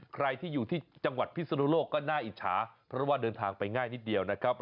ใครที่อยู่ที่จังหวัดพิศนุโลกก็น่าอิจฉาเพราะว่าเดินทางไปง่ายนิดเดียวนะครับ